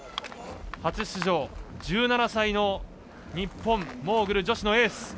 初出場、１７歳の日本モーグル女子のエース。